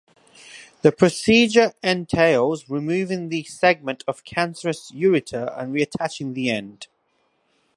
The procedure entails removing the segment of cancerous ureter and reattaching the end.